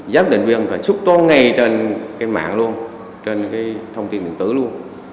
giám định viên phải xuất tốn ngay trên cái mạng luôn trên cái thông tin điện tử luôn